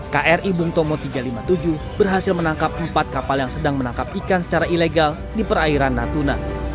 kri bung tomo tiga ratus lima puluh tujuh berhasil menangkap empat kapal yang sedang menangkap ikan secara ilegal di perairan natuna